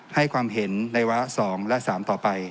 ให้ความเห็นในวัลสองและสามต่อไป